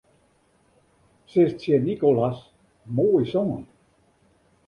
Sis tsjin Nicolas: Moai songen.